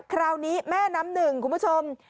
คราวนี้แม่น้ำหนึ่งคุณผู้ชม